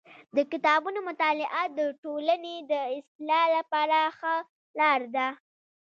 د کتابونو مطالعه د ټولني د اصلاح لپاره ښه لار ده.